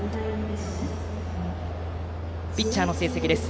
ピッチャーの成績です。